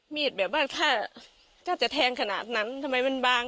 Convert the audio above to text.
แบบว่าถ้าจะแทงขนาดนั้นทำไมมันบาง